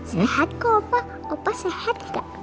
sehat kok opa opa sehat gak